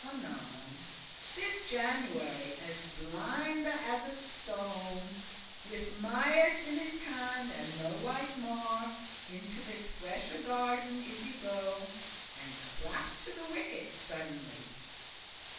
Anon This January, as blind as is a stone, With Maius in his hand, and no wight mo', Into this freshe garden is y go, And clapped to the wicket suddenly.